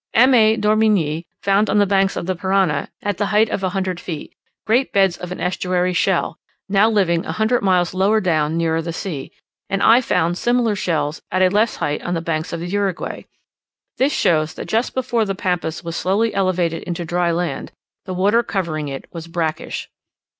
M. A. d'Orbigny found on the banks of the Parana, at the height of a hundred feet, great beds of an estuary shell, now living a hundred miles lower down nearer the sea; and I found similar shells at a less height on the banks of the Uruguay; this shows that just before the Pampas was slowly elevated into dry land, the water covering it was brackish.